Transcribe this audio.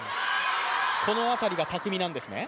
このあたりが巧みなんですね。